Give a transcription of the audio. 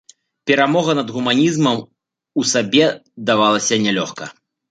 Перамога над гуманізмам у сабе давалася нялёгка.